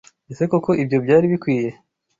Ese koko ibyo byari bikwiye?